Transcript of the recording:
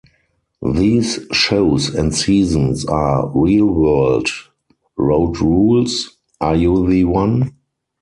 These shows and seasons are: "Real World", "Road Rules", "Are You the One?